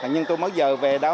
nhưng tôi mới giờ về đó